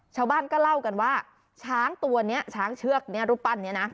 ชาวบ้านก็เล่ากันว่าช้างตัวนี้ช้างเชือกนี้รูปปั้นนี้นะ